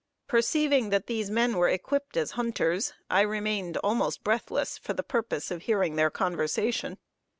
Perceiving that these men were equipped as hunters, I remained almost breathless for the purpose of hearing their conversation.